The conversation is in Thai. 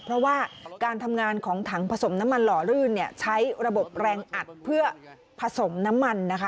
เพราะว่าการทำงานของถังผสมน้ำมันหล่อลื่นเนี่ยใช้ระบบแรงอัดเพื่อผสมน้ำมันนะคะ